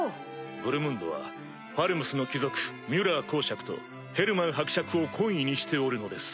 ブルムンドはファルムスの貴族ミュラー侯爵とヘルマン伯爵を懇意にしておるのです。